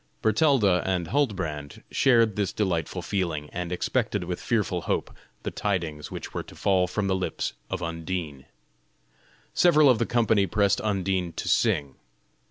Bertalda and Huldbrand shared this delightful feeling, and expected with fearful hope the tidings which were to fall from the lips of Undine. Several of the company pressed Undine to sing.